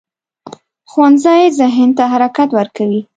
ښوونځی ذهن ته حرکت ورکوي